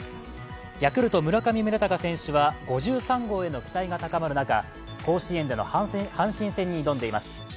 ヤクルト村上宗隆選手は５３号への期待が高まる中、甲子園での阪神戦に挑んでいます。